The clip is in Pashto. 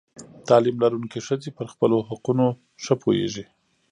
تعلیم لرونکې ښځې پر خپلو حقونو ښه پوهېږي.